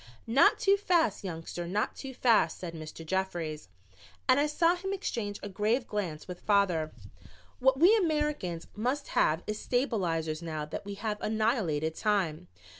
"Not too fast, youngster, not too fast," said Mr. Jeffries, and I saw him exchange a grave glance with father. "What we Americans must have is stabilizers now that we have annihilated time.